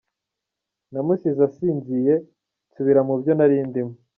Namusize asinziye nsubira mubyo nari ndimo.